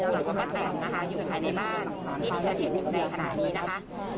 แล้วก็ป้าแตนนะคะอยู่ภายในบ้านที่ที่ฉันเห็นอยู่ในขณะนี้นะคะ